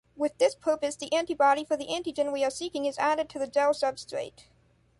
With this purpose, the antibody for the antigen we are seeking is added to the gel substrate.